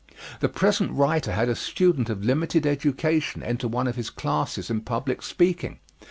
The present writer had a student of limited education enter one of his classes in public speaking.